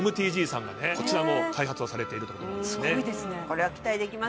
ＭＴＧさんがねこちらの開発をされているということなんですね